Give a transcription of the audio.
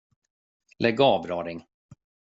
Lägg av, raring.